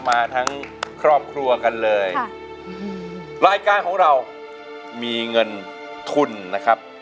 มาทั้งครอบครัวกันเลยรายการของเรามีเงินทุนนะครับ